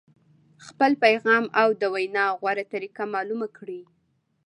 خپل پیغام او د وینا غوره طریقه معلومه کړئ.